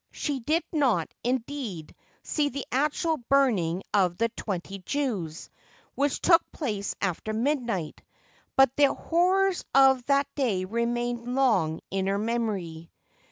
She did not, indeed, see the actual burning of the twenty Jews, which took place after midnight; but the horrors of that day remained long in her memory.